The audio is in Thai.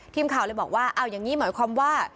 ทีมข่าวเลยบอกว่าอ้าวอย่างนี้เหมือนกับความว่า